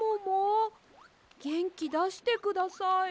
げんきだしてください。